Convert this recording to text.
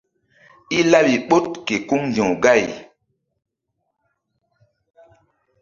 I laɓi ɓoɗ ke kuŋ ndi̧w gay.